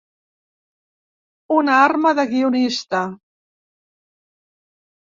Una arma de guionista.